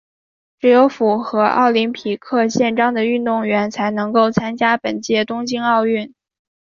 只有符合奥林匹克宪章的运动员才能够参加本届东京奥运。